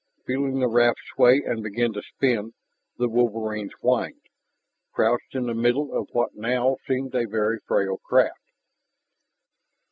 Feeling the raft sway and begin to spin, the wolverines whined, crouched in the middle of what now seemed a very frail craft.